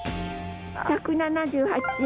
１７８円。